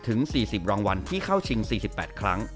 ถึง๔๐รางวัลที่เข้าชิง๔๘ครั้ง